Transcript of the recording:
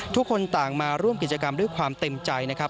ทุกคนต่างมาร่วมกิจกรรมด้วยความเต็มใจนะครับ